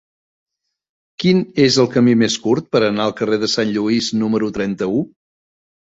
Quin és el camí més curt per anar al carrer de Sant Lluís número trenta-u?